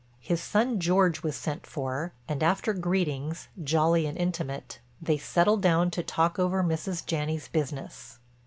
His son, George, was sent for, and after greetings, jolly and intimate, they settled down to talk over Mrs. Janney's business.